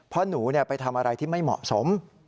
เพราะหนูไปทำอะไรที่ไม่เหมาะสม